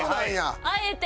「あえて」。